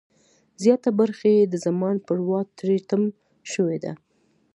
زیاته برخه یې د زمان پر واټ تری تم شوې ده.